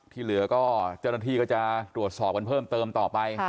ที่เหลือก็เจริญาณธีก็จะรวดสอบกันเพิ่มเติมต่อไป